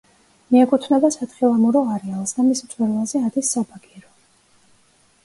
მიეკუთვნება სათხილამურო არეალს და მის მწვერვალზე ადის საბაგირო.